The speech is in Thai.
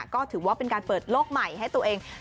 ก็ถือว่าเป็นการเปิดโลกใหม่ให้ตัวเอง